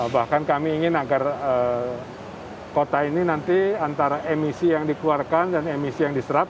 bahkan kami ingin agar kota ini nanti antara emisi yang dikeluarkan dan emisi yang diserap